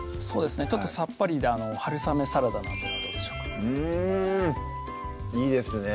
ちょっとさっぱりで春雨サラダなんてのはどうでしょうかうんいいですね